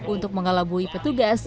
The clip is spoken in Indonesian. untuk mengalabui petugas